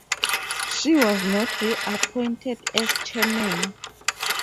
She was not re-appointed as chairman.